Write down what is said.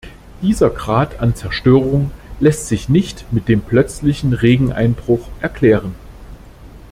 Dieser Grad an Zerstörung lässt sich nicht mit dem plötzlichen Regeneinbruch erklären.